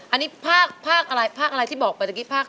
อันนี้ภาคอะไรภาคอะไรที่บอกไปเมื่อกี้ภาค